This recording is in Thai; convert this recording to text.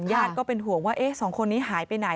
ญาติก็เป็นห่วงว่าสองคนนี้หายไปไหน